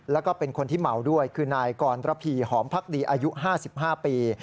แล้วก็เป็นคนที่เมาด้วยคือนายกรระพีหอมพักดีอายุ๕๕ปี